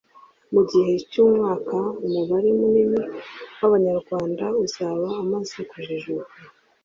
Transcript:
mu gihe cy’umwaka umubare munini w’Abanyarwanda uzaba umaze kujijuka